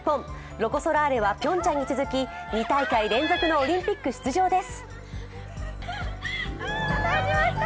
ロコ・ソラーレはピョンチャンに続き２大会連続のオリンピック出場です